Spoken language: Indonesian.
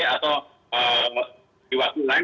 atau di waktu lain